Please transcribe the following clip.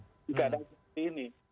jika ada seperti ini